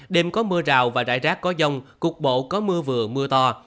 đêm có mưa rào và rải rác có dông cục bộ có mưa vừa mưa to